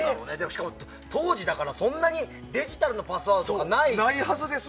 しかも当時、そんなにデジタルのパスワードとかない。